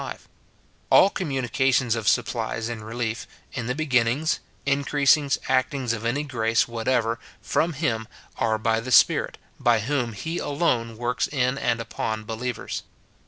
5. All communi 172 MORTIFICATION OF cations of supplies and relief, in the beginnings, increas ings, actings of any grace whatever, from him, are by the Spirit, by whom he alone works in and upon believ eis.